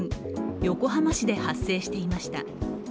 横浜市で発生していました。